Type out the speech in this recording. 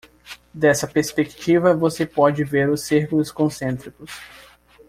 Dessa perspectiva, você pode ver os círculos concêntricos.